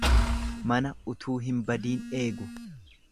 Mana utuu hin badiin eegu.